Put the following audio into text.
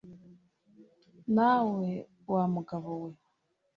nawe wa mugabo we